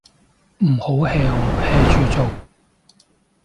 唔好 hea 我 ，hea 住做